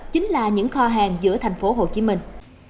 chính là những kho hàng giữa thành phố hồ chí minh